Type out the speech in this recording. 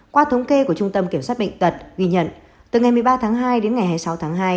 qua thống kê của trung tâm kiểm soát bệnh tật ghi nhận từ ngày một mươi ba tháng hai đến ngày hai mươi sáu tháng hai